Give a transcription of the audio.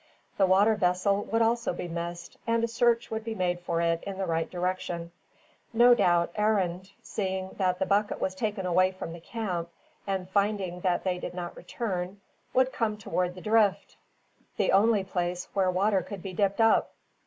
The water vessel would also be missed, and a search would be made for it in the right direction. No doubt Arend, seeing that the bucket was taken away from the camp, and finding that they did not return, would come toward the drift, the only place where water could be dipped up.